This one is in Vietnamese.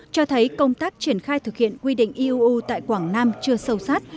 cho thấy công tác triển khai thực hiện quy định iuu tại quảng nam chưa sâu sát